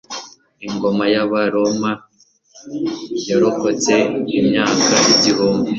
Ingoma y'Abaroma yarokotse imyaka igihumbi.